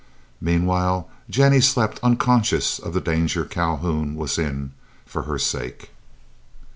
Meanwhile Jennie slept unconscious of the danger Calhoun was in for her sake.